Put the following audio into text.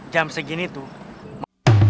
jam segini tuh